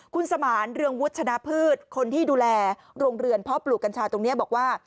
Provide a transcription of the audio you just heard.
คุณสมานเรืองวุชนะพืชคนที่ดูแลโรงเรือนเพาะปลูกกัญชาตรงนี้บอกว่า